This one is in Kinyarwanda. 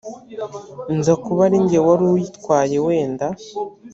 nza kuba ari jye wari uyitwaye wenda